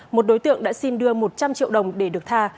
một đối tượng đã xin đưa một trăm linh triệu đồng để được tha